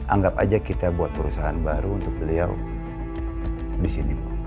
anggap aja kita buat perusahaan baru untuk beliau di sini